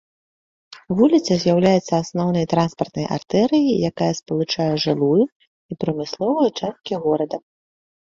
Вуліца з'яўляецца асноўнай транспартнай артэрыяй, якая спалучае жылую і прамысловую часткі горада.